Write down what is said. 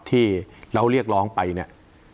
ที่เราเรียกร้องไปเนี่ย